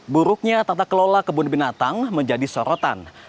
buruknya tata kelola kebun binatang menjadi sorotan